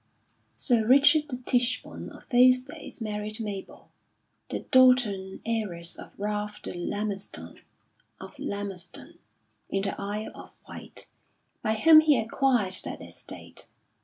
Sir Roger de Ticheborne of those days married Mabell, the daughter and heiress of Ralph de Lamerston, of Lamerston, in the Isle of Wight, by whom he acquired that estate.